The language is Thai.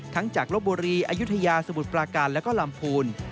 จากลบบุรีอายุทยาสมุทรปราการแล้วก็ลำพูน